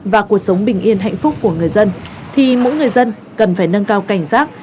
và cuộc sống bình yên hạnh phúc của người dân thì mỗi người dân cần phải nâng cao cảnh giác